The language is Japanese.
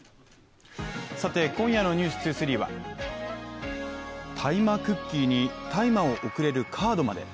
さて今夜の「ｎｅｗｓ２３」は大麻クッキーに大麻を贈れるカードまで。